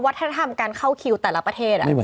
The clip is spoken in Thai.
วัฒนธรรมการเข้าคิวแต่ละประเทศ